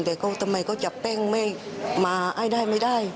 แต่ก็ทำไมเขาจับแป้งไม่มาให้ได้ไม่ได้